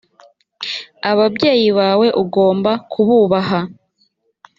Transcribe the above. ababyeyi bawe ugomba kububaha.